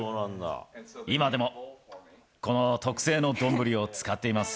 今でもこの特製の丼を使っています。